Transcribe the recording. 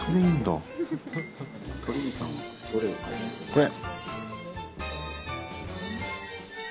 これ！